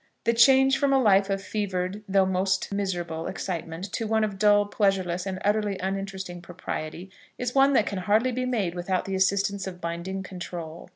The change from a life of fevered, though most miserable, excitement, to one of dull, pleasureless, and utterly uninteresting propriety, is one that can hardly be made without the assistance of binding control.